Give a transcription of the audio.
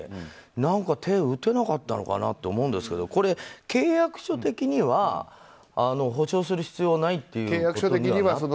なんか手を打てなかったのかなって思うんですけどこれ、契約書的には補償する必要はないということになってるんですか。